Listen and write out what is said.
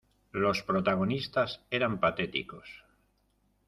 Los protagonistas eran patéticos.